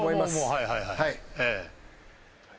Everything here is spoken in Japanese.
はいはいはいええ。